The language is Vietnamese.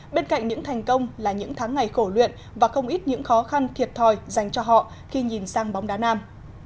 bên cạnh những thành công là những tháng ngày khổ luyện và không ít những khó khăn thiệt thòi dành cho họ khi nhìn sang bóng đá nam